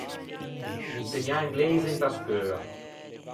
Insegnâ ingleise inta scheua.